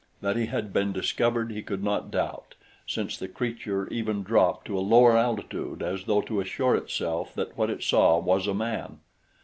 That he had been discovered he could not doubt since the creature even dropped to a lower altitude as though to assure itself that what it saw was a man.